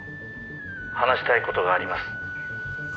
「話したい事があります」